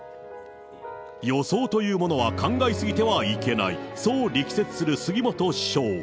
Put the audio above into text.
予想というものは考えすぎてはいけない、そう力説する杉本師匠。